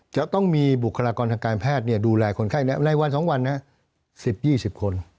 จะต้องมีบุคลากรทางการแพทย์ดูแลคนไข้ในวัน๒วัน๑๐๒๐คน